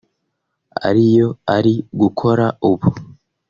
ariyo ari gukora ubu